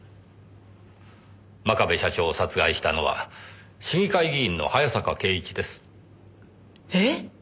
真壁社長を殺害したのは市議会議員の早坂圭一です。え！？